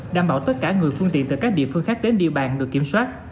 đảm bảo tất cả người phương tiện từ các địa phương khác đến địa bàn được kiểm soát